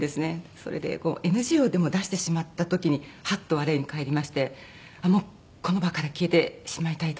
それでＮＧをでも出してしまった時にハッと我に返りましてもうこの場から消えてしまいたいと。